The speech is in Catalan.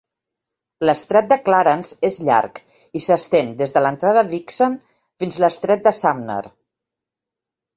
L'Estret de Clarence és llarg, i s'estén des de l'Entrada Dixon fins l'Estret de Sumner.